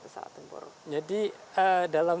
pesawat tempur jadi dalam